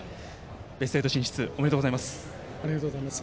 ベスト８進出ありがとうございます。